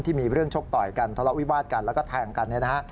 ที่มีเรื่องชกต่อยกันทะเลาะวิวาดกันแล้วก็แทงกันเนี่ยนะฮะ